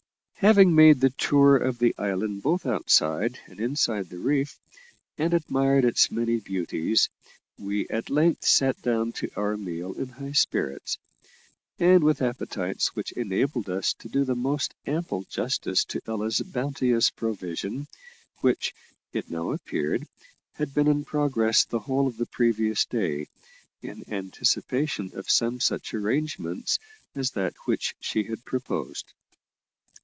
Having made the tour of the island both outside and inside the reef, and admired its many beauties, we at length sat down to our meal in high spirits, and with appetites which enabled us to do the most ample justice to Ella's bounteous provision, which, it now appeared, had been in progress the whole of the previous day, in anticipation of some such arrangement as that which she had proposed.